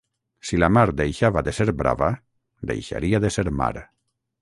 Si la mar deixava de ser brava, deixaria de ser mar.